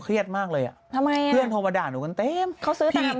เครียดมากเลยอะโทรมาด้าหนูเพิ่ม